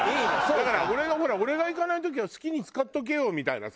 だから「俺が行かない時は好きに使っとけよ」みたいなさ。